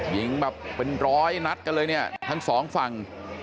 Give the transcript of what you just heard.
ยิงแบบเป็นร้อยนัดกันเลยเนี่ยทั้งสองฝั่ง